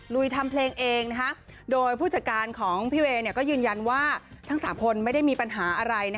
ลุยทำเพลงเองโดยผู้จัดการของพี่เวย์ก็ยืนยันว่าทั้ง๓คนไม่ได้มีปัญหาอะไร